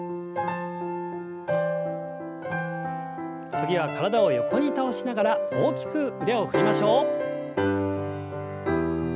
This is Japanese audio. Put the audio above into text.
次は体を横に倒しながら大きく腕を振りましょう。